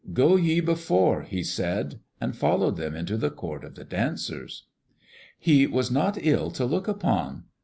"Go ye before," he said, and followed them into the court of the dancers. He was not ill to look upon.